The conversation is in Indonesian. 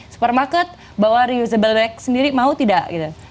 supermarket bawa reusable bag sendiri mau tidak